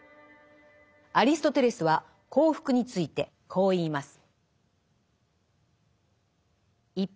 アリストテレスは「幸福」についてこう言います。